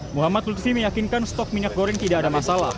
muhammad lutfi meyakinkan stok minyak goreng tidak ada masalah